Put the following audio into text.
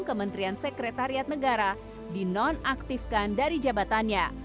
kementerian sekretariat negara dinonaktifkan dari jabatannya